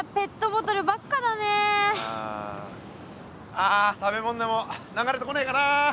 あ食べ物でも流れてこねえかな。